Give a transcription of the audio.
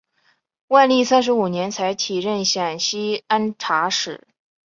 万历三十五年才起任陕西按察使。